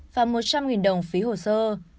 và một trăm linh đồng phí hồ sơ